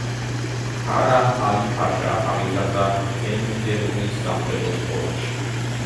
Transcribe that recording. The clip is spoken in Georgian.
ქარა ალი-ფაშა აღიზარდა ენდერუნის სამხედრო სკოლაში.